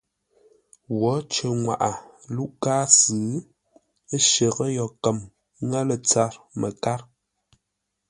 Wǒ cər ŋwaʼa Lúʼkáasʉ ə́ shərə́ yo kəm nŋə́ lə̂ tsâr məkár.